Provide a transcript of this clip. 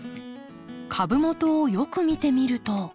株元をよく見てみると。